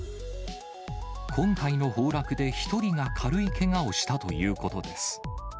今回の崩落で１人が軽いけがをしたということです。